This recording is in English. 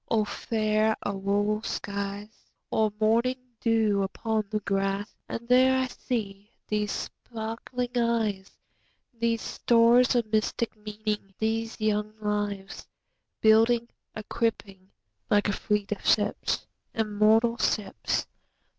O fair auroral skies! O morning dew upon the grass! And these I see—these sparkling eyes, These stores of mystic meaning—these young lives, Building, equipping, like a fleet of ships—immortal ships!